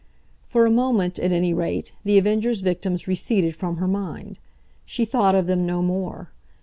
For a moment, at any rate, The Avenger's victims receded from her mind. She thought of them no more.